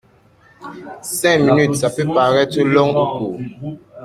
Cinq minutes ça peut paraître long ou court.